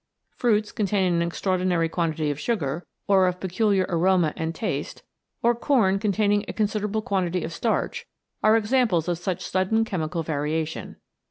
Fruits, containing an extraordinary 138 CHEMICAL MENDELISM quantity of sugar, or of peculiar aroma and taste, or corn containing a considerable quantity of starch, are examples of such sudden chemical variation.